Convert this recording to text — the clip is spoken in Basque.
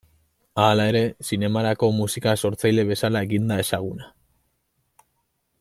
Hala ere zinemarako musika sortzaile bezala egin da ezaguna.